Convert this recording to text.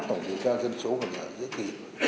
tổng điều tra dân số và nhà ở giữa kỳ